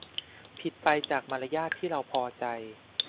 ผิดไปจากมารยาทที่เราพอใจ